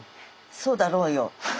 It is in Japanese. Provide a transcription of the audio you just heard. そうだろうよ。